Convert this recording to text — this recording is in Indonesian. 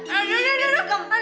aduh aduh kenapa sih